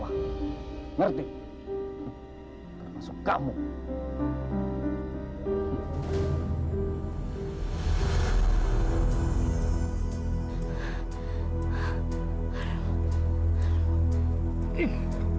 andai tanpa mek momen